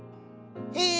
へえ！